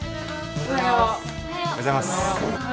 おはようございます。